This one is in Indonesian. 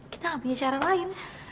kita nggak punya cara lain